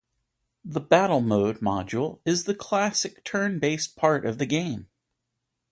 The battle mode module is the classic turn based part of the game.